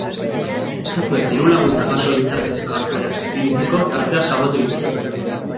Estatuek dirulaguntzak jaso ditzaketen jarduerak definitzeko tartea zabaldu dituzte.